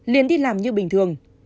liền đi làm như bình thường